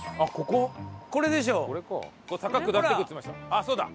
あっそうだ！